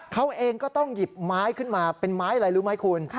เขาเองก็ต้องหยิบไม้ขึ้นมาเป็นไม้อะไรรู้ไหมคุณ